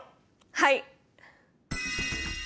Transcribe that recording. はい！